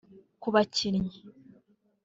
Ku bakinnyi